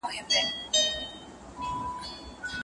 که استاد مرسته ونکړي شاګرد به له ستونزو سره مخ سي.